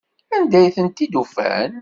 Anda ay tent-id-ufan?